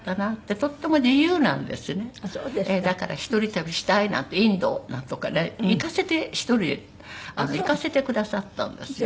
だから一人旅したいなんてインドとかね行かせて一人で行かせてくださったんですね。